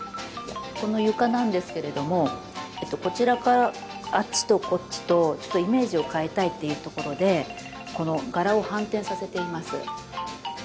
この床なんですけれどもこちらからあっちとこっちとちょっとイメージを変えたいっていうところでこの柄を反転させています。